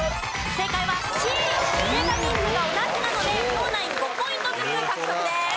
正解人数が同じなので同ナイン５ポイントずつ獲得です。